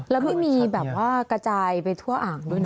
แล้วไม่มีแบบว่ากระจายไปทั่วอ่างด้วยนะ